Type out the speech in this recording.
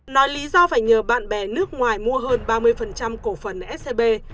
nói lý do phải nhờ bạn bè nước ngoài mua hơn ba mươi cổ phần scb